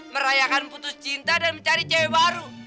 merayakan putus cinta dan mencari cewek baru